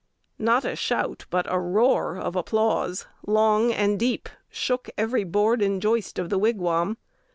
_" Not a shout, but a roar of applause, long and deep, shook every board and joist of the Wigwam.